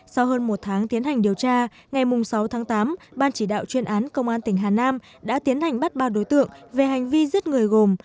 sau hơn một tháng tiến hành điều tra ngày sáu tháng tám ban chỉ đạo chuyên án công an tỉnh hà nam đã tiến hành bắt ba đối tượng về hành vi giết người gồm